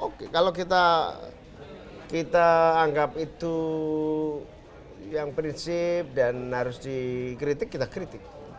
oke kalau kita anggap itu yang prinsip dan harus dikritik kita kritik